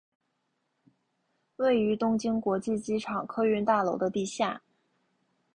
位于东京国际机场客运大楼的地下。